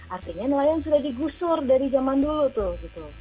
artinya nelayan sudah digusur dari zaman dulu tuh gitu